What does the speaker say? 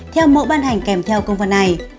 theo mẫu ban hành kèm theo công văn này